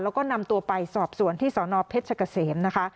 แล้วก็นำตัวไปสอบสวนที่สนเพชรเกษมนะคะ